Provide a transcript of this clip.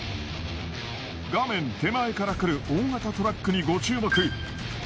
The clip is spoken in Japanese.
画面手前から来る大型トラックにご注目。